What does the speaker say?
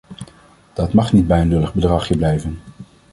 Dat mag niet bij een lullig bedragje blijven.